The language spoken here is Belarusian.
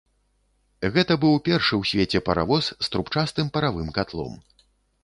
Гэта быў першы ў свеце паравоз з трубчастым паравым катлом.